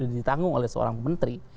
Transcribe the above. ditanggung oleh seorang menteri